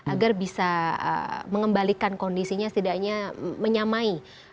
agar bisa mengembalikan kondisinya setidaknya menyamai